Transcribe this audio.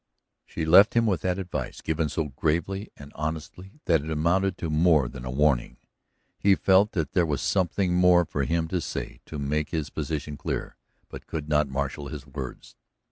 She left him with that advice, given so gravely and honestly that it amounted to more than a warning. He felt that there was something more for him to say to make his position clear, but could not marshal his words.